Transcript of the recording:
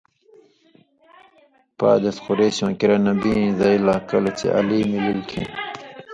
پادېس قرېشواں کِریا نبیؐ ایں زئ لا کلہۡ چےۡ علیؓ مِلِل کھیں